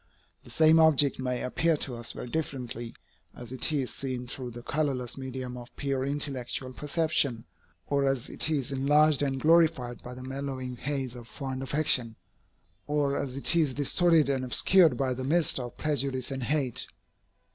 The same object may appear to us very differently, as it is seen through the colorless medium of pure intellectual perception, or as it is enlarged and glorified by the mellowing haze of fond affection, or as it is distorted and obscured by the mists of prejudice and hate.